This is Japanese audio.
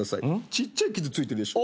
ちっちゃい傷付いてるでしょ。